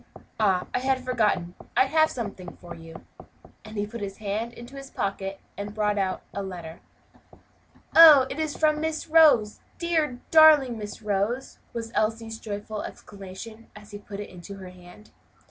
Ah! I had forgotten! I have something for you;" and he put his hand into his pocket and brought out a letter. "Oh! it is from Miss Rose! dear, darling Miss Rose!" was Elsie's joyful exclamation, as he put it in her hand.